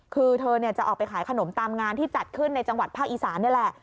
คือเธอจะออกไปขายขนมตามงานที่จัดขึ้นในจังหวัดภาคอีสานนี่แหละ